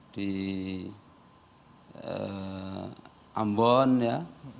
di ambon ya